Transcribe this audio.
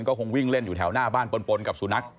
ก็คงวิ่งเล่นอยู่แถวหน้าบ้านปนกับสุนัข